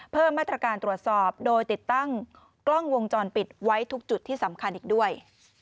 เพิ่มมาตรการตรวจสอบโดยติดตั้งกล้องวงจรปิดไว้ทุกจุดที่สำคัญอีกด้วย